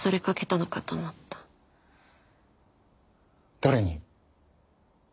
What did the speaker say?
誰に？